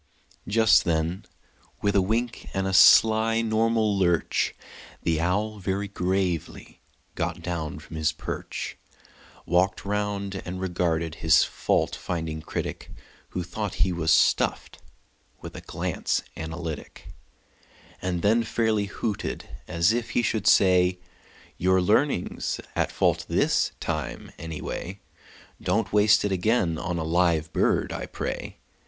Just then, with a wink and a sly normal lurch, The owl, very gravely, got down from his perch, Walked round, and regarded his fault finding critic (Who thought he was stuffed) with a glance analytic, And then fairly hooted, as if he should say: "Your learning's at fault this time, anyway; Don't waste it again on a live bird, I pray.